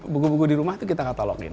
buku buku di rumah itu kita catalogin